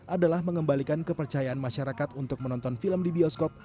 adalah mengembalikan kepercayaan masyarakat untuk menonton film di bioskop